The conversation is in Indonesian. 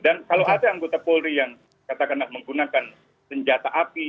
dan kalau ada anggota polri yang katakanlah menggunakan senjata api